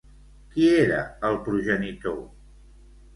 Qui era el progenitor?